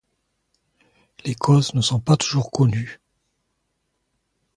Les causes ne sont pas toujours connues.